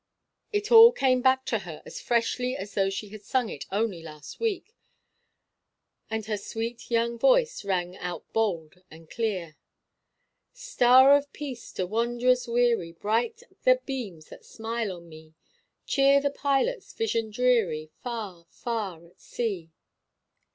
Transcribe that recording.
It all came back to her as freshly as though she had sung it only last week; and her sweet young voice rang out bold and clear "Star of Peace to wanderers weary, Bright the beams that smile on me; Cheer the pilot's vision dreary, Far, far at sea."